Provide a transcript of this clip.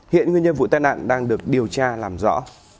hiện nguyên nhân vụ tai nạn đang được điều tra làm rõ